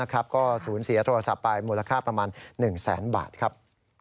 ก็สูญเสียโทรศัพท์ไปมูลค่าประมาณ๑แสนบาทครับ